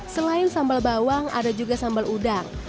selain sambal bawang ada juga sambal udang